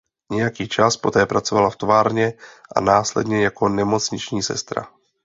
Nějaký čas poté pracovala v továrně a následně jako nemocniční sestra.